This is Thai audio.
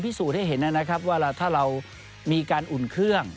สูจนให้เห็นนะครับว่าถ้าเรามีการอุ่นเครื่อง